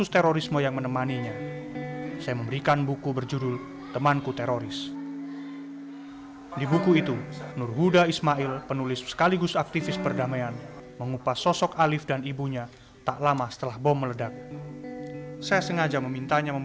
desa yang namanya pernah mendunia